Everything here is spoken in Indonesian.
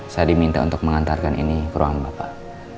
saya diminta untuk mengantarkan ini ke ruang bapak